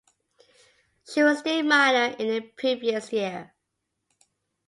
She was still minor in the previous year.